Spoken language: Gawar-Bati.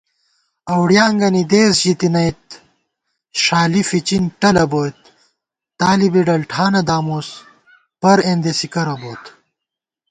اؤڑیانگَنی دېس ژِی تنَئیت ݭالی فِچِن ٹلہ بوئیت * طالِبےڈلٹھانہ دامُس پر اېندېسےکرہ بوت